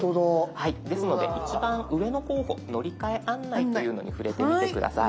ですので一番上の候補「乗り換え案内」というのに触れてみて下さい。